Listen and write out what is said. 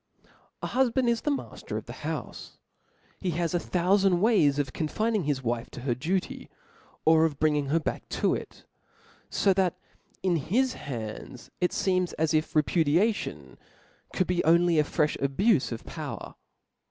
A hufband is the mafter of the houfe ; he has a thoufand ways of confining his wife to her duty, or of bringing her back to it } fo that in his hands it feems as if repudiation could be only a frefh abufe of power.